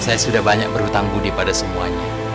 saya sudah banyak berhutang budi pada semuanya